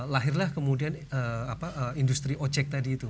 lahirlah kemudian industri ojek tadi itu